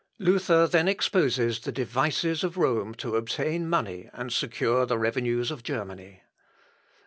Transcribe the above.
Luther then exposes the devices of Rome to obtain money and secure the revenues of Germany.